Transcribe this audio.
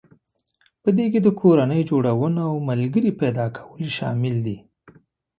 په دې کې د کورنۍ جوړونه او ملګري پيدا کول شامل دي.